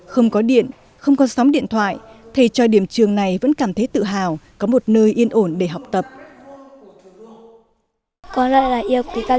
không có điện không có sóng điện thoại thầy cho điểm trường này vẫn cảm thấy tự hào có một nơi yên ổn để học tập